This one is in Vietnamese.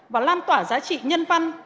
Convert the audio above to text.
và lan tỏa giá trị nhân văn